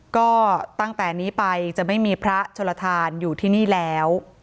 ก็ตั้งแต่นี้ไปจะไม่มีพระชลทานอยู่ที่นี่แล้ว